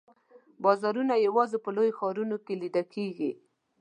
بازارونه یوازي په لویو ښارونو کې لیده کیږي.